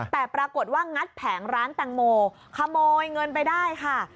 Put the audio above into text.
แต่ปรากฏว่างัดแผงร้านแตงโมขโมยเงินไปได้ค่ะ